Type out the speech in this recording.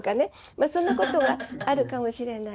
まあそんなことがあるかもしれない。